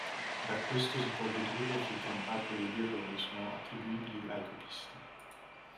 Da questo si può dedurre che gran parte degli errori sono attribuibili ai copisti.